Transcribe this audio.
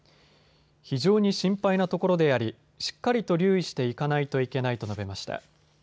非常に心配なところであり、しっかりと留意していかないといけないと述べました。